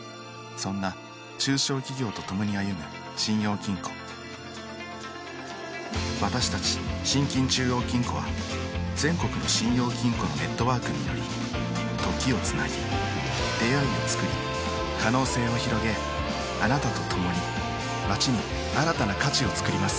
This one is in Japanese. そんな中小企業とともに歩む信用金庫私たち信金中央金庫は全国の信用金庫のネットワークにより時をつなぎ出会いをつくり可能性をひろげあなたとともに街に新たな価値をつくります